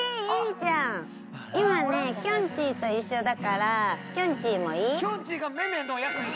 ちぃと一緒だからきょんちぃもいい？